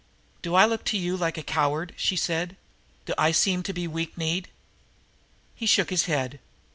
"Do I look to you like a coward?" she said. "Do I seem to be weak kneed?" He shook his head.